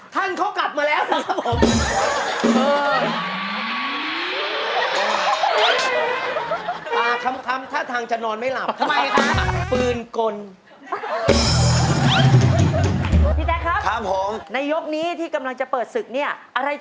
ถ้าพร้อมแล้วลุยเลยไป